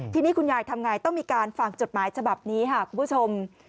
ทีนี้คุณยายทำไงต้องมีการฝากจดหมายฉบับนี้ค่ะคุณผู้ชม